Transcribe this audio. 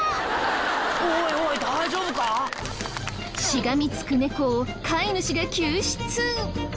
しがみつく猫を飼い主が救出。